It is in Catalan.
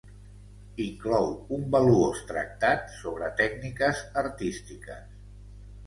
Inclou un valuós tractat sobre tècniques artístiques.